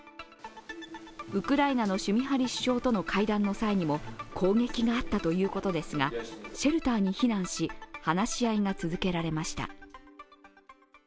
ウクライナのシュミハリ首相との会談の際にも攻撃があったということですがシェルターに避難し、話し合いが続けられました。